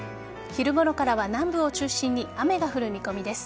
昼ごろからは南部を中心に雨が降る見込みです。